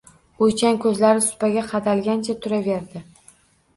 O’ychan ko‘zlar supaga qadalgancha turaverdi.